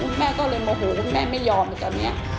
คุณแม่ก็เลยโมโหคุณแม่ไม่ยอมอีกต่อเนี่ย